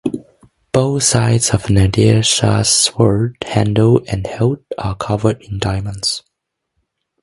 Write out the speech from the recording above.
Both sides of Nadir Shah's sword handle and hilt are covered in diamonds.